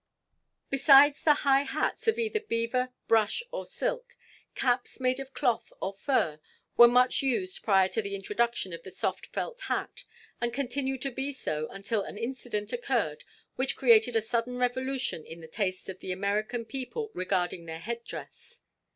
Besides the high hats of either beaver, brush or silk, caps made of cloth or fur were much used prior to the introduction of the soft felt hat, and continued to be so until an incident occurred which created a sudden revolution in the tastes of the American people regarding their head dress.